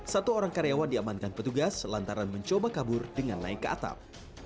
satu orang karyawan diamankan petugas lantaran mencoba kabur dengan naik ke atap